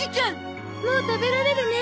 もう食べられるね。